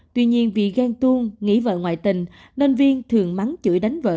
tuy nhiên vì ghen tuôn nghỉ vợ ngoại tình nên viên thường mắng chửi đánh vợ